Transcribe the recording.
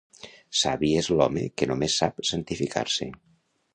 Savi és l'home que només sap santificar-se.